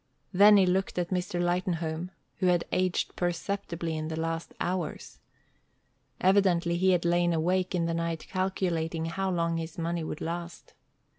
Then he looked at Mr. Lightenhome, who had aged perceptibly in the last hours. Evidently he had lain awake in the night calculating how long his money would last.